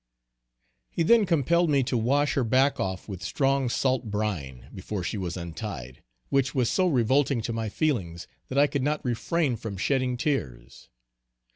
He then compelled me to wash her back off with strong salt brine, before she was untied, which was so revolting to my feelings, that I could not refrain from shedding tears.